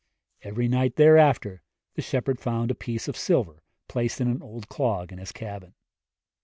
Every night thereafter the shepherd found a piece of silver placed in an old clog in his cabin.